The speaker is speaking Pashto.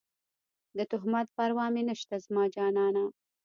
د تهمت پروا مې نشته زما جانانه